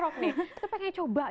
kita pengen coba